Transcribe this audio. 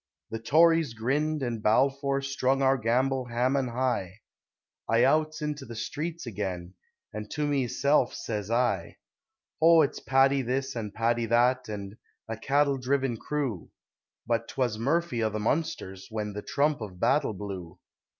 The Tories grinned, and Balfour strung our gamble Haman high, I outs into the street again, and to meself sez I: O, it's Paddy this, and Paddy that, an' "A cattle driven crew!" But 'twas "Murphy o' the Munsters!" when the trump of battle blew.